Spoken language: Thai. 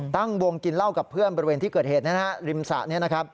ตั้งวงกินเหล้ากับเพื่อนบริเวณที่เกิดเหตุริมสระนี้นะครับ